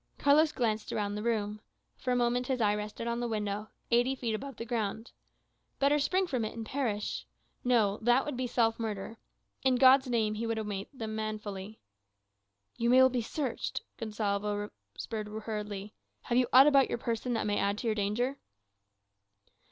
Carlos glanced round the room. For a moment his eye rested on the window, eighty feet above the ground. Better spring from it and perish! No, that would be self murder. In God's name he would await them manfully. "You will be searched," Gonsalvo whispered hurriedly; "have you aught about your person that may add to your danger?"